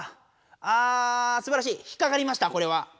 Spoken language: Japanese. あすばらしいひっかかりましたこれは。